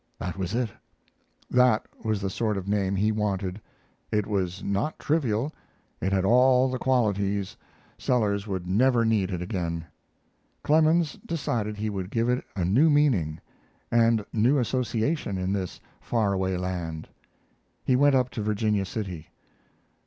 That was it; that was the sort of name he wanted. It was not trivial; it had all the qualities Sellers would never need it again. Clemens decided he would give it a new meaning and new association in this far away land. He went up to Virginia City.